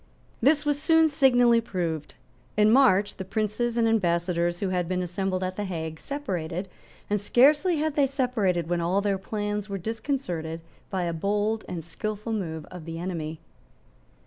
This was soon signally proved. In March the princes and ambassadors who had been assembled at the Hague separated and scarcely had they separated when all their plans were disconcerted by a bold and skilful move of the enemy.